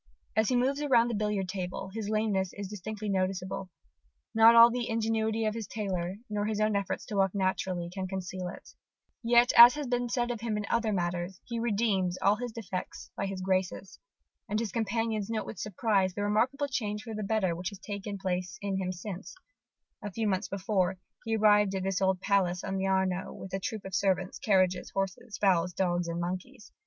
As he moves around the billiard table, his lameness is distinctly noticeable: not all the ingenuity of his tailor, nor his own efforts to walk naturally, can conceal it. Yet, as has been said of him in other matters, he redeems all his defects by his graces. And his companions note with surprise the remarkable change for the better which has taken place in him since, a few months before, he arrived at this old palace on the Arno with a troop of servants, carriages, horses, fowls, dogs, and monkeys.